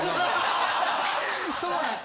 そうなんです。